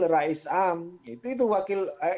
beliau sudah wakil rais am